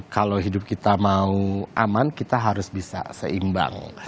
kalau hidup kita mau aman kita harus bisa seimbang